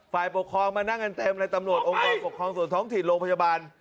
ฝ่ายปกครองมานั่งกันเต็มเลยตำรวจองค์กรปกครองส่วนท้องถิ่นโรงพยาบาล